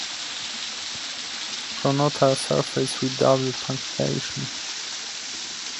Pronotal surface with double punctation.